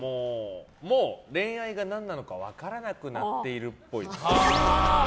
もう恋愛が何なのか分からなくなっているっぽい。